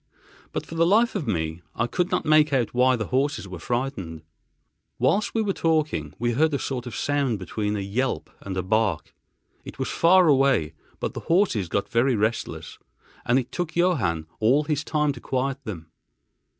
But for the life of me I could not make out why the horses were frightened. Whilst we were talking, we heard a sort of sound between a yelp and a bark. It was far away; but the horses got very restless, and it took Johann all his time to quiet them.